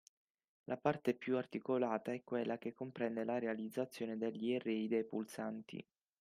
La parte più articolata è quella che comprende la realizzazione degli array dei pulsanti